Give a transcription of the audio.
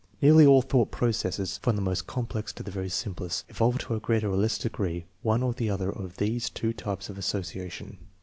Nearly all thought processes, from the most complex to the very simplest, involve to a greater or less degree one or the other of these two types of associa tion.